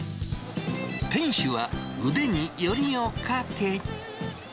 店主は腕によりをかけ。